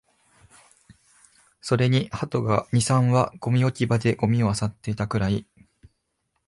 それに鳩が二、三羽、ゴミ置き場でゴミを漁っていたくらい